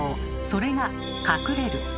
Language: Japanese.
それが「隠れる」。